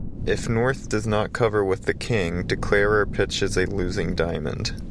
If North does not cover with the king, declarer pitches a losing diamond.